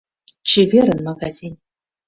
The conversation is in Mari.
Чеверын, магазин!